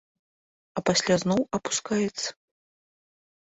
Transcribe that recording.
А пасля зноў апускаецца.